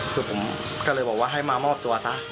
คือผมก็เลยบอกว่าให้มามอบตัวซะ